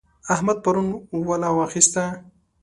احمد پرون ولا واخيسته.